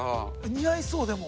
似合いそうでも。